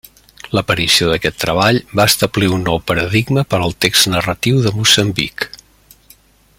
L'aparició d'aquest treball va establir un nou paradigma per al text narratiu de Moçambic.